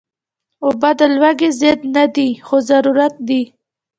اوبه د لوږې ضد نه دي، خو ضرورت دي